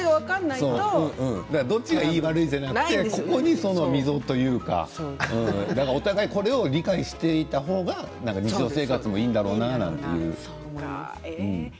どっちがいい悪いじゃなくてここに溝というかお互いにこれを理解していた方がいいんだろうなということですね。